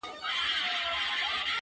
هرچا ته ځکهیاره بس چپه نیسم لاسونه,